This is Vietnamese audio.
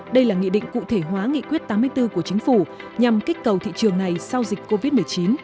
đây là nghị định cụ thể hóa nghị quyết tám mươi bốn của chính phủ nhằm kích cầu thị trường này sau dịch covid một mươi chín